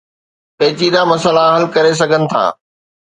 پيچيده مسئلا حل ڪري سگهن ٿا